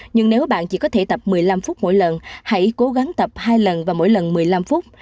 nhưng nếu bạn chỉ có thể tập một mươi năm phút mỗi lần hãy cố gắng tập hai lần và mỗi lần một mươi năm phút